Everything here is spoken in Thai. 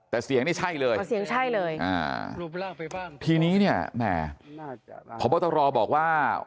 แต่เสียงนี่ใช่เลยอ่าทีนี้เนี่ยแหมพระพัทรรอบอกว่า